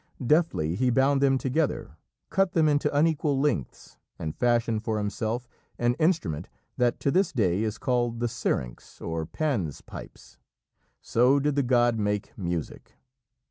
Deftly he bound them together, cut them into unequal lengths, and fashioned for himself an instrument, that to this day is called the Syrinx, or Pan's Pipes. So did the god make music.